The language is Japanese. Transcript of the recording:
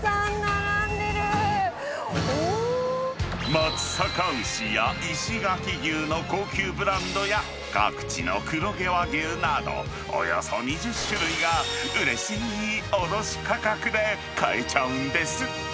松阪牛や、石垣牛の高級ブランドや、各地の黒毛和牛など、およそ２０種類が、うれしい卸価格で買えちゃうんです。